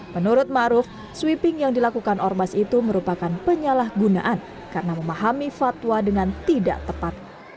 menurut ma'ruf sweeping yang dilakukan orbas itu merupakan penyalahgunaan karena memahami fatwa dengan tidak tepat